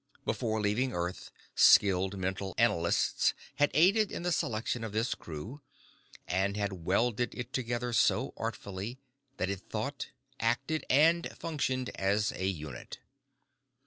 Before leaving earth, skilled mental analysts had aided in the selection of this crew, and had welded it together so artfully that it thought, acted, and functioned as a unit.